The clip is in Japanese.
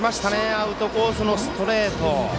アウトコースのストレート。